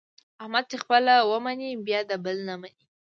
احمد چې خپله و مني بیا د بل نه مني.